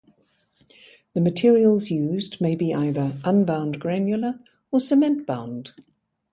The materials used may be either unbound granular, or cement-bound.